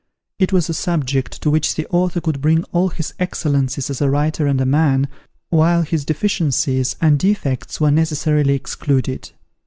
It was a subject to which the author could bring all his excellences as a writer and a man, while his deficiencies and defects were necessarily excluded.